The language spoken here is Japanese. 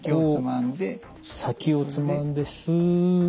先をつまんでスッ。